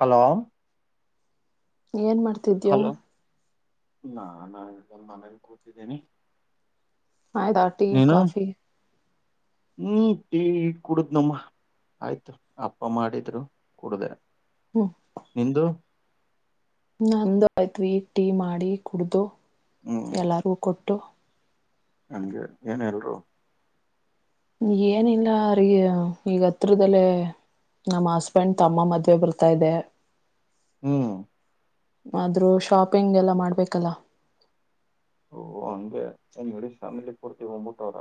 Hello ಏನ್ ಮಾಡ್ತಿದೀಯೋ. ನಾನಾ ಇದನ್ ಮನೇಲಿ ಕೂತಿದೀನಿ. ಆಯ್ತಾ ಟೀ ಕಾಫಿ. ಹ್ಮ್ ಟೀ ಕುಡುದ್ ನಮ್ಮ ಆಯ್ತು ಅಪ್ಪ ಮಾಡಿದ್ರು ಕುಡ್ದೆ ಹ್ಮ್ ನಿಂದು? ನಂದು ಆಯ್ತು ಈಗ್ ಟೀ ಮಾಡಿ, ಕುಡ್ದು ಎಲ್ಲಾರು ಕೊಟ್ಟ್ ಟ್ಟು. ನಂಗೆ ಏನ್ ಎಲ್ಲರೂ. ಏನಿಲ್ಲ ಅವ್ರಿಗೆ ಈಗ ಹತ್ರದಲ್ಲೇ ನಮ್ಮ ಹಸ್ಬೆಂಡ್ ತಮ್ಮ ಮದ್ವೆ ಬರ್ತಾ ಇದೆ. ಹ್ಮ್. ಆದ್ರೂ ಶಾಪಿಂಗ್ ಎಲ್ಲ ಮಾಡ್ಬೇಕಲ್ಲ. ಓ ಅಂಗೆ ಏನ್ ಇಡೀ ಫ್ಯಾಮಿಲಿ ಪೂರ್ತಿ ಹೋಗ್ಬಿಟ್ಟ್ ಅವ್ರ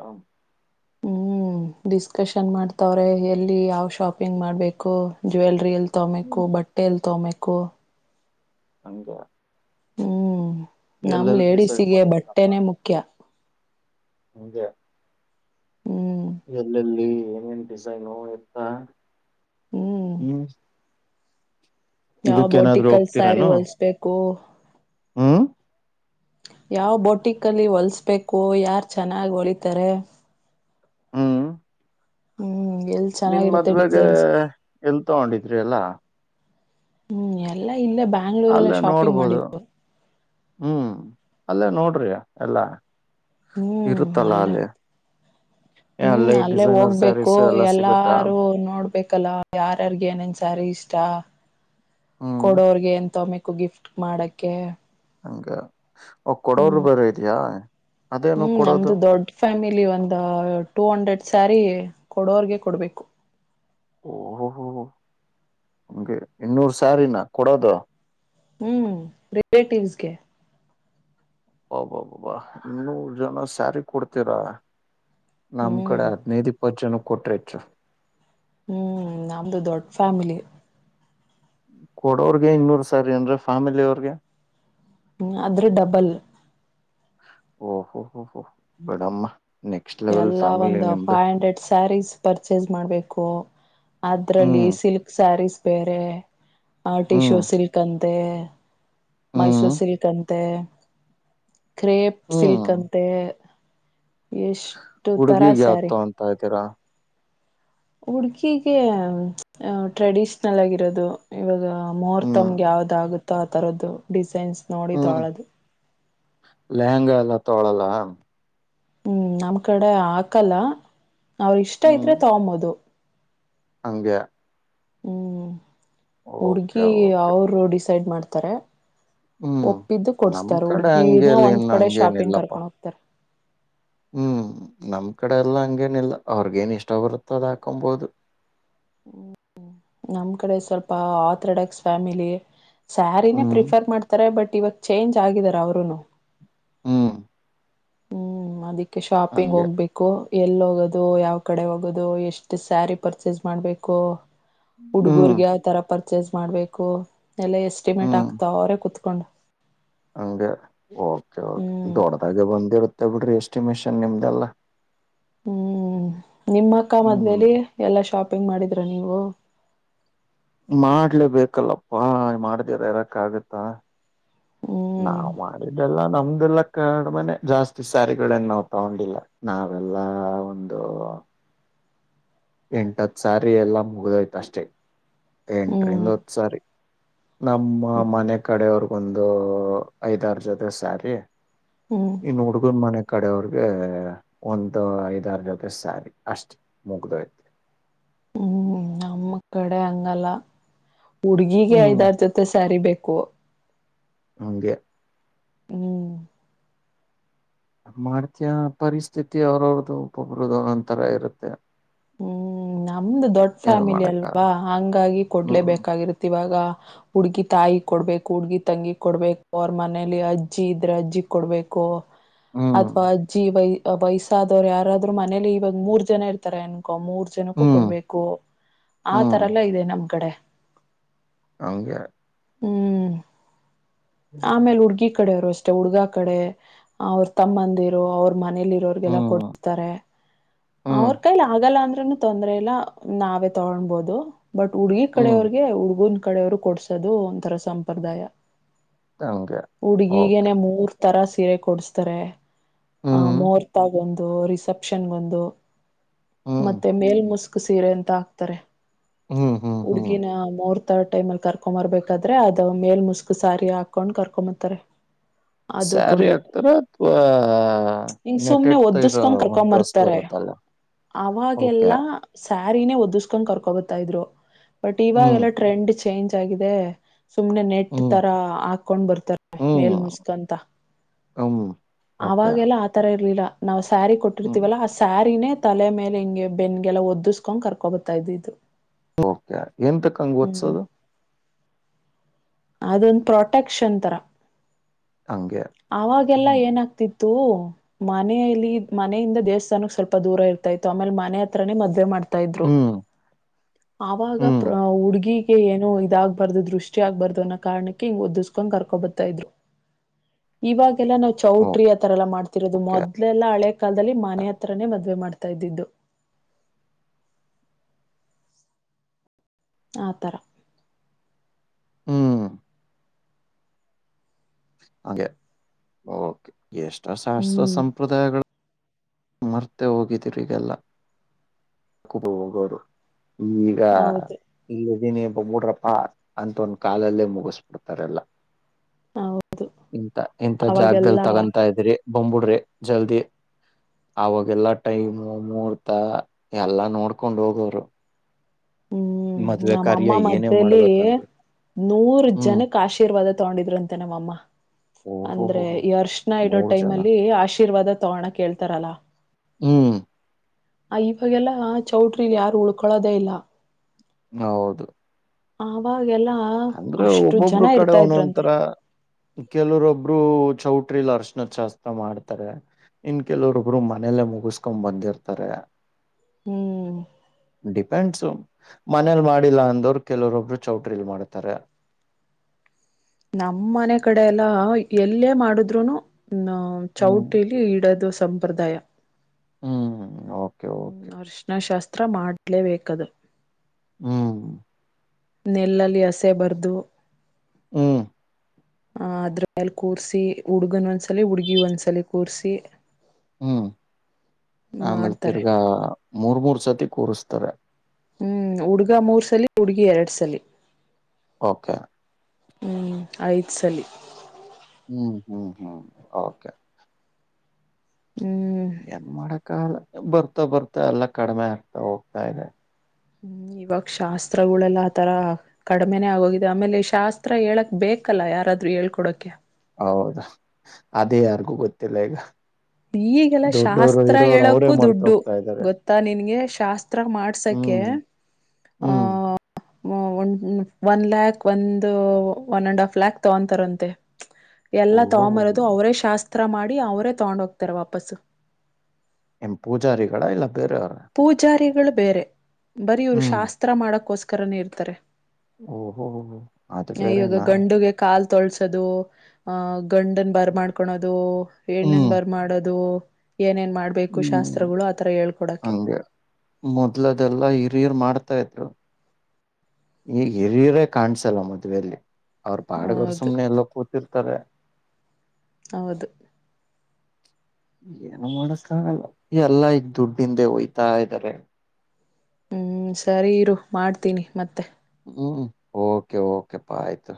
ಹ್ಮ್ ಡಿಸ್ಕಷನ್ ಮಾಡ್ತವ್ರೆ ಎಲ್ಲಿ ಯಾವ್ ಶಾಪಿಂಗ್ ಮಾಡ್ಬೇಕು ಜುವೆಲ್ರಿ ಎಲ್ ತೊ ಹ್ಮ್ ಮೇಕು ಬಟ್ಟೆ ಎಲ್ ತೋ ಮೇಕ್ ಕೊ ಅಂಗೆ ಹ್ಮ್ ನಮ್ ಡಿಸೈಡ್ ಲೇಡೀಸಿಗೆ ಮಾಡಿದ್ದೀರಮ್ಮ ಬಟ್ಟೆನೇ ಮುಖ್ಯ. ಹಂಗೆ ಹ್ಮ್ ಎಲ್ಲೆಲ್ಲಿ, ಏನೇನ್ ಡಿಸೈನ್ ಎತ್ತಾ ಹ್ಮ್ ಯಾವ್ ಇದಕ್ಕೇನಾದ್ರು ಬೋಟಿಕ್ಕಲ್ ಸಾರಿ ಹೊಲ್ಸ್ಬೇಕು? ಹ್ಮ ಯಾವ ಬೋಟಿಕ್ಕಲ್ಲಿ ಹೊಲಸ್ಬೇಕೋ ಯಾರ್ು ಚೆನ್ನಾಗಾ ಗಿ ಹೊಲಿತಾರೆ ಹ್ಮ್ ಹ್ಮ್ ಎಲ್ ನಿನ್ ಚೆನ್ನಾಗಿರುತ್ತೆ ಮದ್ವೆಗಾ ಡಿಸೈನ್ಸ್ ಎಲ್ ತಗೊಂಡಿದ್ರಿ ಏಲ್ಲಾ ಹ್ಮ್ ಎಲ್ಲ ಇಲ್ಲೇ ಬ್ಯಾಂಗ್ಳೂರಲ್ಲೆ ಅಲ್ಲೇ ಶಾಪಿಂಗ್ ನೋಡ್ಬೋದು ಮಾಡಿದ್ದು ಹ್ಮ್ ಅಲ್ಲೇ ನೋಡ್ರಿ ಎಲ್ಲಾ ಹ್ಮ್ ಇರುತ್ತಲ್ಲ ಅಲ್ಲೇ ಅಲ್ಲಿ ಏ ಹ್ಮ್ ಅಲ್ಲೇ ಡಿಸೈನರ್ ಹೋಗ್ಬೇಕು ಸ್ಯಾರೀಸ್ ಎಲ್ಲ ಸಿಗುತ್ತಾ ಎಲ್ಲಾರು ನೋಡ್ಬೇಕಲ್ಲ ಯಾರ್ಯಾರ್ಗ ಏನನ್ ಸಾರಿ ಇಷ್ಟ [unintelligible] ಕತ್ತ [inaudible] ಹ್ಮ್ ಕೊಡೋರ್ಗೆ ಎಂತ ಮೆ ಗಿಫ್ಟ್ ಮಾಡಕ್ಕೆ ಅಂಗೆ ಹ್ಮ್ ಅದೇನು ಹ್ಮ್ ಕೊಡೋದು ನಮ್ದು ದೊಡ್ಡ ಫ್ಯಾಮಿಲಿ ಒಂದು ಟೂ ಹಂಡ್ರೆಡ್ ಸಾರಿ ಕೊಡೋರ್ಗೆ ಕೊಡ್ಬೇಕು ಓಹೋ ಓಹೋ ನಮ್ಗೆ ಇನ್ನೂರ್ ಸಾರೀನ ಕೊಡೋದು ಹ್ಮ್ ರಿಲೇಟಿವ್ಸ್ಗೆ ಅಬ್ಬಬ್ಬಾ ಅಬ್ಬಬ್ಬಾ ಇನ್ನೂರು ಜನ ಸ್ಯಾರಿ ಕೊಡ್ತೀರ, ನಮ್ ಹ್ಮ್ ಕಡೆ ಹದ್ನೈದ್ ಇಪ್ಪತ್ ಜನಕ್ ಕೊಟ್ರೆ ಹೆಚ್ಚು ಹ್ಮ್ ನಮ್ದು ದೊಡ್ಡ ಫ್ಯಾಮಿಲಿ ಕೊಡೋರ್ಗೆ ಇನ್ನೂರ್ ಸಾರಿ ಅಂದ್ರೆ ಫ್ಯಾಮಿಲಿ ಅವ್ರ್ಗೆ ಹ್ಮ ಆದ್ರು ಡಬಲ್ ಓಹೋ ಓಹೋ ಓ ಬಿಡಮ್ಮ ನೆಕ್ಸ್ಟ್ ಲೆವೆಲ್ ಎಲ್ಲ ಫ್ಯಾಮಿಲಿ ಒಂದು ನಿಮ್ದು ಫೈವ್ ಹಂಡ್ರೆಡ್ ಸ್ಯಾರೀಸ್ ಪರ್ಚೇಸ್ ಮಾಡ್ಬೇಕು ಅದ್ರಲ್ಲಿ ಹ್ಮ್ ಸಿಲ್ಕ್ ಸ್ಯಾರೀಸ್ ಬೇರೆ ಹ್ಮ್ ಆರ್ಟಿಶೋಸಿಲ್ ಕಂದ್ ಮತ್ತೇ ಹ್ಮ್ ಮೈಸೂರು ಸಿಲ್ಕನ್ ಮತ್ತೆ ಕ್ರೇಪ್ ಸಿಲ್ಕ್ ಅಂತೆ ಎ ಹುಡುಗಿಿಗೆ ಆತ ಅಂತ ಹತೀರಾ ಹುಡುಗಿಗೆ ಟ್ರೆಡಿಷನಲ್ ಆಗಿರೋದು ಇವಾಗ ಹ್ಮ್ ಮುಹೂರ್ತಮ್ಗೆ ಯಾವ್ದಗುತ್ತೆ ತರದ್ದು ಡಿಸೈನ್ಸ್ ನೋಡಿ ತೊಗೊಳೋದು ಲಲೆಹಂಗ ಎಲ್ಲ ತೋಳಲ್ಲ ಹ್ಮ್ ನಮ್ ಕಡೆ ಹಾಕಲ್ಲ ಅವ್ರ ಇಷ್ಟ ಇದ್ರೆ ತಗೊಂಬೋದು ಹಗೆ ಹ್ಮ್ ಹುಡ್ಗಿ ಓಕೆ ಅವರು [unintelligible] ಸೈಡ್ ಮಾಡ್ತಾರೆ ಹ್ಮ್ ಒಪ್ಪಿದ್ದು ನಮ್ ಕೊಡ್ಸ್ತಾರ ಕಡೆ ಹುಡ್ಗಿನ ಹಂಗೇಲಿ ಒಂದ್ ಇನ್ನು ಕಡೆ ಶಾಪಿಂಗ್ ಹಂಗೇನಿಲ್ಲಪ್ಪಾ ಕರ್ಕೊಂಡ್ ಹೋಗ್ತಾರ ಹ್ಮ್ ನಮ್ ಕಡೆ ಎಲ್ಲ ಹಂಗೇನ ಇಿಲ್ಲ ಅವ್ರಗೇನ್ ಇಷ್ಟ ಬರುತ್ತೋ ಅದ ಹಾಕೊಬೋದು ಹ್ಮ ನಮ್ ಕಡೆ ಸ್ವಲ್ಪ ಆತಡಕ್ಸ್ ಫ್ಯಾಮಿಲಿ ಸಾರಿನೇ ಹ್ಮ್ ಪ್ರಿಫರ್ ಮಾಡ್ತಾರೆ ಬಟ್ ಇವತ್ ಚೇಂಜ್ ಆಗಿದಾರ ಅವರುೂನು ಹ್ಮ ಹ್ಮ್ ಮಾಡೇ ಶಾಪಿಂಗ್ ಹೋಗ್ಬೇಕು ಎಲ್ಲಿ ಹೋಗೋದು ಯಾವ ಕಡೆ ಹೋಗೋದು ಎಷ್ಟು ಸ್ಯಾರಿ ಪರ್ಚೇಸ್ ಮಾಡ್ಬೇಕು ಹ್ಮ್ ಹುಡ್ಗೂರ್ಗೆ ಯಾವ ತರ ಪರ್ಚೇಸ್ ಮಾಡ್ಬೇಕು ಕೇ ಎಲ್ಲಷ್ಟ ಎಸ್ಟಿಮೇಟ್ ಆಗುತ್ತಾವರೆ ಕುೂತ್ಕೊಂಡ್ ಅಂಗೆ ಓಕೆ ಕೆ ದೊಡ್ಡದೇ ಬಂದಿರುತ್ತೆ ಬಿಡ್ರಿ ಎಸ್ಟಿಮೇಷನ್ ನಿಮ್ದಲ್ಲ ಹ್ಮ್ ನಿಮ್ಮ ಅಕ್ಕ ಹ್ಮ್ ಮದ್ವೆೇಲಿ ಎಲ್ಲಾ ಶಾಪಿಂಗ್ ಮಾಡಿದ್ರ ನೀವು ಮಾಡ್ಲೇಬೇಕಲ್ಲಪ್ಪಾ ಮಾಡ್ದರ ಇರಕ್ಕ ಆಗತ್ತಾ ಹ್ಮ್ ನಾವ್ ಮಾಡಿದ್ದೆಲ್ಲ ನಮ್ದಲ್ಲ ಕಡ್ಮನೆ ಜಾಸ್ತಿ ಸ್ಯಾರಿಗಳನ್ ನಾವ್ ತಗೊಂಡಿಲ್ಲ ನಾವೆಲ್ಲಾ ಒಂದು ಎಂಟತ್ ಸಾರಿ ಎಲ್ಲಾ ಮುಗ್ದೋಯ್ತ ಅಷ್ಟೇ ಹ್ಮ್ ಎಂಟ್ರಿನದ ಹತ್ತು ಸರಿ ನಮ್ಮ ಮನೆ ಕಡೆಯವರು ಒಂದು ಐದಾರ ಜೊತೆ ಸಾರಿ ಹ್ಮ್ ಇನ್ನು ಹುಡುಗುನ್ ಮನೆ ಕಡೆಯವ್ರಿಗೆ ಒಂದು ಐದಾರ ಜೊತೆ ಸ್ಯಾರಿ ಅಷ್ಟು ಮುಗ್ದಯ್ತು. ಹ್ಮ್ ನಮ್ಮ ಕಡೆ ಹಂಗಲ್ಲ. ಹುಡ್ಗಿಗೆ ಹ್ಮ್ ಐದಾರು ಜೊತೆ ಸ್ಯಾರಿ ಬೇಕು. ಕ ಹಂಗೆ ಹ್ಮ್ ಮಾಡ್ತಿಯ ಪರಿಸ್ಥಿತಿ ಅವ್ರವ್ರ್ದು ಒಬ್ರಬ್ರುದು ಒಂದೊಂದ್ ಥರ ಇರುತ್ತೆ. ಹ್ಮ್ ನಮ್ದು ದೊಡ್ ಏನ್ ಫ್ಯಾಮಿಲಿ ಮಾಡಕ್ಕ ಅಲ್ವಾ ಹಂಗಾಗಿ ಹ್ಮ್ ಕೊಡ್ಲೇಬೇಕೇಕಾಗಿರುತ್ತ ಇವಾಗ ಹುಡ್ಗಿ ತಾಯಿ ಕೊಡ್ಬೇಕು ಹುಡ್ಗಿ ತಂಗಿ ಕೊಡ್ಬೇಕು ಅವ್ರ ಮನೇಲಿ ಅಜ್ಜಿ ಇದ್ರೆ ಅಜ್ಜಿ ಕೊಡ್ಬೇಕು. ಹ್ಮ್ ಅಥವಾ ಅಜ್ಜೀ ವೈ ವಯಸ್ಸಾದವರು ಯಾರಾದ್ರು ಮನೇಲಿ ಇವಾಗ ಮೂರ್ ಜನ ಇರ್ತಾರೆ ಅನ್ಕೋ ಮೂರ್ ಹ್ಮ್ ಕೊಡ್ಬೇಕು ಆ ತರ ಹ್ಮ್ ಎಲ್ಲ ಇದೆ ನಮ್ ಕಡೆ ಹಂಗೆ ಹ್ಮ್ ಆಮೇಲೆ ಹುಡ್ಗಿ ಕಡೆ ಅವರು ಅಷ್ಟೆ ಹುಡುಗಾ ಕಡೆ ಅವ್ರ ತಮ್ಮಂದಿರು ಅವ್ರ ಮನೇಲಿ ಇರೋಗೆಲ್ಲ ಹ್ಮ್ ಕೊಡತಾರೆ ಹ್ಮ್ ಅವ್ರ ಕೈಲಿ ಆಗಲ್ಲ ಅಂದ್ರ ತೊಂದ್ರೆ ಇಲ್ಲ ನಾವೇ ತಗೊೊಂಡಬೋದು ಬಟ್ ಹುಡ್ಗಿ ಹ್ಮ್ ಕಡೆಯವ್ರಿಗೆ ಹುಡ್ಗುನ್ ಕಡೆಯವರು ಕೊಡ್ಸದು ಒಂಥರ ಸಂಪ್ರದಾಯ ಹಂಗೆ ಓಕೆ ಹುಡುಗೀಗೆನೆ ಮೂರ್ ತರ ಸಿೀರೆ ಕೊಡ್ಸ್ತಾರೆ ಹ ಹ್ಮ್ ಮುಹೂರ್ತ ಆಗಂದು ರಿಸೆಪ್ಷನ್ ಒಂದು ಹ್ಮ್ ಮತ್ತೆ ಮೇಲ್ ಮುಸ್ಕ್ ಸೀರೆ ಅಂತ ಹಾಕ್ತಾರೆ ಹ್ಮ್ ಹ್ಮ್ ಹ್ಮ್ ಹುಡುಗಿನ ಮರ್ತ ಟಮಲ್ಕ ಕರ್ಕೋ ಬರಬೇಕಾದರೆ ಅದ ಮೇಲ್ ಮುಸ್ಕ ಸಾರಿ ಹಾಕೊಂಡ್ ಕರ್ಕೊಂಬತಾರೆ ಸ್ಯಾರಿ ಆಗ್ತಾರ ಅಥವಾ ಹಿಂಗ್ ನೆಟೆ ಸುಮ್ನೆ ಇರ ಒದಸ್ಕೊಂಡ್ ಕರ್ಕೊಂಡ್ ಒಸ್ ಬರುತ್ತಲ್ಲ ಓಕೆ ಎಲ್ಲ ಸ್ಯಾರಿನೇ ಒದಿಸ್ಕೊಂಡ್ ಕರ್ಕೊಬತಾ ಇದ್ರು ಬಟ್ ಹ್ಮ್ ಇವಾಗೆಲ್ಲ ಟ್ರೆಂಡ್ ಚೇಂಜ್ ಆಗಿದೆ ಸುಮ್ನೆ ನೆಟ್ ಹ್ಮ್ ತರ ಹಾಕೊಂಡ್ ಬರ್ತಾರೆ ಹ್ಮ್ ಮೇಲ್ ಮುಸ್ಕಂತ ಹ್ಮ್ ಓಕೆ ಆವಾಗೆಲ್ಲ ಆತರ ಇರ್ಲಿಲ್ಲ ನಮಸ್ತೆ ಸ್ಯಾರಿ ಹ್ಮ್ ಕೊಟ್ಟಿರ್ತಿೀವಲ್ಲಾ ಆ ಸ್ಯಾರಿನೇ ತಲೆ ಮೇಲೆ ಹಿಂಗೆ ಬೆನ್ಗೆಲ್ಲ ಒದ್ದಿಸ್ಕೊಂಡ್ ಕರ್ಕೊೋಗತ್ತಾ ಇದ್ ಇದು [unintelligible] ಎನ್ತಕ್ಕಂಗೆ ಓದಸೋದು? ಅದೊಂದು ಪ್ರೊಟೆಕ್ಷನ್ ತರ. ಹಂಗೆ ಆವಾಗೆಲ್ಲ ಹ್ಮ್ ಏನಾಗ್ತಿತ್ತು ತೂ ಮನೆಯಲ್ಲಿ, ಮನೆಯಿಂದ ದೇವಸ್ಥಾನಕ್ಕೆ ಸ್ವಲ್ಪ ದೂರ ಇರ್ತ ಇತ್ತು. ಆಮೇಲೆ ಮನೆ ಹತ್ರನೇ ಮದುವೆ ಮಾಡ್ ಇದ್ರು ಹ್ಮ್ ಆವಾಗ ಹ್ಮ್ ಪ್ರಾ ಹುಡ್ಗಿ ಎ ಎನೊ ಇದಾಗಗ್ಬಾರ್ದು, ದೃಷ್ಟಿ ಆಗ್ಬಾರ್ದು. [unintelligible] ಕಾರಣಕ್ಕೆ ಹಿಂಗ್ ಒದಿಸ್ಕೊಂಡ್ ಕರ್ಕೊ ಬರ್ತಾ ಇದ್ರು, ಇವಾಗ? ಎಲ್ಲ ನಾವು ಚೌಟ್ರಿ ಆ ತರ ಎಲ್ಲ ಮಾಡ್ತಿರೋದು, ಓಕೆ ಮೊದ್ಲೆಲ್ಲ ಹಳೆ ಕಾಲದಲ್ಲಿ ಮನೆ ಹತ್ರನೆೇ ಮದ್ವೆ ಮಾಡ್ತ್ ತ ಇದ್ದಿದ್ದು. ಆ ತರ. ಹ್ಮ್. ಹಾಗೆ, ಓಕೆ. ಎಷ್ಟ ಶಾಸ್ತ್ರ ಹ್ಮ್ ಸಂಪ್ರದಾಯಗಳು ಮರ್ತೆ ಹೋಗಿದಿರಿ ಇದೆಲ್ಲ. [unintelligible] ಈಗ ಹೌದು ಇಲ್ಲಿ ದಿನಿ ಬಂಬುಡ್ರಪ್ಪ, ಅಂತ ಒಂದ್ ಕಾಲಲ್ಲೇ ಮುಗಿಸ್ಬಿಡ್ತಾರೆ ಎಲ್ಲ. ಹೌ ಇಂತ ಇಂತ ಜಾಗದಲ್ಲಿ ಅವಾಗೆಲ್ಲಾ ತಗೊತಾ ಇದ್ರಿ ಬಂಬುಡ್ರಿ ಜಲ್ದಿ. ಅವಾಗೆಲ್ಲಾ ಟೈಮ್ ಮೂರ್ತ ಎಲ್ಲಾ ನೋಡ್ಕೊಂಡ್ ಹೋಗವ್ರು. ಹ್ಮ್ ನಮ್ಮಅಮ್ಮ ಏನೇ ಮದ್ವೇಲಿ ಮಾಡ್ಬೇಕಂದ್ರು ನೂರ್ ಹ್ಮ್ ಜನಕ್ ಆಶೀರ್ವಾದದ್ ತಗೊಂಡಿದ್ರಂತೆ ನಮ್ಮಮ್ಮ. ಓಹೋ ಹೋ ಅಂದ್ರೆ, ಹೋ ಈ ಅರ್ಶನ ಇಡೋ ಮೂರ್ ಟೈಮ್ ಜನ ಅಲ್ಲಿ ಆಶೀರ್ವಾದ ತಗೋಣಕ್ ಕೇಳ್ತಾರಲ್ಲ. ಹ್ಮ್ ಆ ಇವಾಗೆಲ್ಲಾ ಚೌಟ್ರಿಲಿ ಯಾರು ಉಳ್ಕೊಳದೇ ಇಲ್ಲ. ಹೌದು. [unintelligible] ಅಂದ್ರೆ, ಅಷ್ಟು ಜನ ಒಬ್ಬೊಬ್ರು ಕಡೆ ಇರ್ತಾ ಇದ್ರಂತೆ ಒಂದೊನ್ತರ, ಕೆಲೂರೊಬ್ರು ಚೌಟ್ರಿಲ್ ಅರ್ಶಣದ್ ಶಾಸ್ತ್ರ ಮಾಡ್ತಾರೆ, ಇನ್ ಕೆಲವಬ್ರು ಮನೇಲ್ಲೇ ಮುಗಿಸ್ಕೊಂಡ್ ಬಂದಿರ್ತಾರೆ. ಹ್ಮ್ ಗಂಡ್ಸು, ಮನೇಲಿ ಮಾಡಿಲ್ಲ ಅಂದವ್ರು ಕೆಲವ್ರೊಬ್ರು ಚೌಟ್ರಿಲ್ ಮಾಡ್. [unintelligible] ನಮ್ಮನೆ ಕಡೆ ಎಲ್ಲ, ಎಲ್ಲೇ ಮಾಡುದ್ರುನು ಹ ಹ್ಮ್ ಚೌಟಿಲಿ ಇಡದೊಸ. ಸಂಪ್ರದಾಯ. ಹ್ಮ ಹ್ಮ್ ಅರ್ಷ್ಣ ಶಾಸ್ ಮಾತ್ರ ಮಾಡ್ಲೇ ಬೇಕದು. ಹ್ಮ್ ನೆಲ್ಲಲ್ಲಿ ಹಸೆ ಬರ್ದು ಹ್ಮ್ ಹ ಅದ್ರ ಮೇಲ್ ಕೂರ್ಸಿ ಹುಡ್ಗನ್ ಒಂದ್ಸಲಿ ಹುಡ್ಗಿ ಒಂದ್ಸಲಿ ಕೂರ್ಸಿ ಹ್ಮ್ ಆಮಲೆ ಮಾಡ್ತಾರೆ ತಿರ್ಗಾ ಮೂರ್ ಮೂರ್ ಸತಿ ಕುರಸ್ತಾರೇ ಹ್ಮ್ ಹುಡ್ಗ ಮೂರ್ ಸಲಿ ಹುಡ್ಗಿ ಎರಡ್ ಸಲಿ ಓಕೆ ಹ್ಮ್ ಐದ್ ಸಲಿ ಹ್ಮ್-ಹ್ಮ್-ಹ್ಮ್ ಓಕೆ ಹ್ಮ್ ಏನ್ ಮಾಡಕಾಗಲ್ಲ ಬರ್ತಾ ಬರ್ತಾ ಎಲ್ಲ ಕಡಿಮೆ ಆಗ್ತಾ ಹೋಗ್ತಾ ಇದೆ ಹ್ಮ್ ಇವಾಗ್ ಶಾಸ್ತ್ರಗಳೆಲ್ಲಾ ಆತರ ಕಡಿಮೆನೇ ಆಗೋಗಿದೆ ಆಮೇಲೆ ಶಾಸ್ತ್ರ ಹೇಳಕ್ ಬೇಕಲ್ಲ ಯಾರಾದ್ರೂ ಹೇಳ್ಕೊಡಕೆ. ಹೌದಾ ಅದೇ ಯಾರಿಗೂ ಗೊತ್ತಿಲ್ಲ ಈಗ ಈಗೆಲ್ಲ ದೊಡ್ಡೋರು ಶಾಸ್ತ್ರ ಇರೋರು ಅವರೇ ಹೇಳಕ್ಕೂ ಮರ್ತ ದುಡ್ಡು ಹೋಗ್ತಾ ಇದ್ದಾರೆ ಗೊತ್ತಾ ನಿನ್ಗೆ ಟಾಸ್ಕ್ ಹತ್ರ ಮಾಡ್ಸಕ್ಕೆ ಹ್ಮ್ ಹೂ ಹ್ಮ್ ಹೂ ಒನ್ ಲ್ಯಾಕ್ ಒಂದು ಒನ್ ಅಂಡ್ ಆಫ್ ಲ್ಯಾಕ್ ತಗೊಂತಾರಂತೆ. ಎಲ್ಲ ಓಹೋ ತೊಗೊಂಬರೋದು ಅವರೇ ಶಾಸ್ ಅತ್ರ ಮಾಡಿ ಅವರ ತೊಗೊಂಡೊಗ್ ತ್ರ ವಾಪಸ್ ಎಂ ಪೂಜಾರಿಗಳ ಇಲ್ಲ. ಬೇರೆಯವ್ರ ಪೂಜಾರಿ ಗಳ್ ಬೇರೆ ಬರೀ ಇವ್ರು ಶಾಸ್ತ್ರ ಮಾಡಕೋಸ್ಕ ಕರನೇ ಇರ್ತಾರೆ ಓಹೋಹೋ ಅದ್ ಇವಾಗ ಬೇರೆನಾ. ಗಂಡುಗೆ ಕಾಲ್ ತೊಳ್ಸೋದು ಆ ಗಂಡನ್ ಬರ್ ಮಾಡ್ಕೊಳೋದು. ಹೆಣ್ಣನ್ ಹ್ಮ್ ಬರ್ ಮಾಡೋದು ಏನೇನು ಮಾಡಬೇಕು ಶಾಸ್ತ್ರಗಳು ಆ ಥರ ಹೇಳ್ಕೊಡೋಕ್ಕೆ. ಮೊದ್ಲು ಅದೆಲ್ಲಾ ಹಿರಿಯರ್ ಮಾಡ್ತಾ ಇದ್ರು ಈ ಹಿರಿಯರೇ ಕಾಣ್ಸಲ್ಲ ಮದ್ವೆಯಲ್ಲಿ ಅವ್ರ ಪಾಡ್ಗೆ ಅವ್ರು ಹೌದು ಸುಮ್ಮ್ನೆ ಎಲ್ಲೋ ಕೂತಿರ್ತಾರೆ ಹೌದು ಏನು ಮಾಡಕಾಗಲ್ಲ ಎಲ್ಲಾ ಈಗ್ ದುಡ್ಡಿಂದೆ ಒಯ್ತಾ ಇದಾರೆ. ಹ್ಮ್ ಸರಿ ಇರು ಮಾಡ್ತೀನಿ ಮತ್ತೆ. ಹ್ಮ್ ಓಕೆ ಓಕೆಪ್ಪಾ ಆಯ್ತು